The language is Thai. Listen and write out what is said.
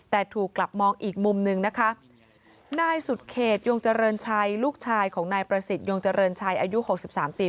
แต่ถูกกลับมองอีกมุมหนึ่งนะคะนายสุดเขตยงเจริญชัยลูกชายของนายประสิทธิยงเจริญชัยอายุหกสิบสามปี